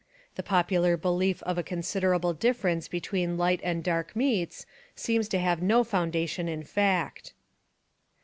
The popular belief of a considerable difference between light and dark meats seems to have no foundation in fact.